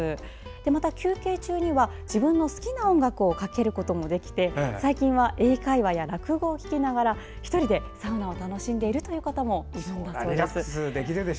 また休憩中には、自分の好きな音楽をかけることもできて最近は英会話や落語を聞きながら１人でサウナを楽しんでいる方もいるんだそうです。